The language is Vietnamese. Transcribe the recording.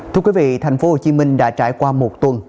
thưa quý vị thành phố hồ chí minh đã trải qua một tuần